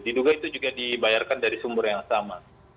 diduga itu juga dibayarkan dari sumber yang sama